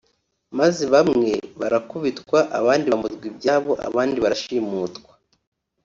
maze bamwe barakubitwa abandi bamburwa ibyabo abandi barashimutwa